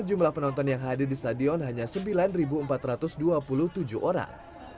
jumlah penonton yang hadir di stadion hanya sembilan empat ratus dua puluh tujuh orang